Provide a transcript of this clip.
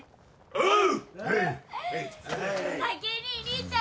おう。